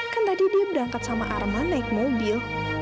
kan tadi dia berangkat sama arman naik mobil